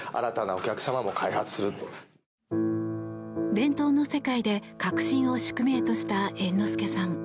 伝統の世界で革新を宿命とした猿之助さん。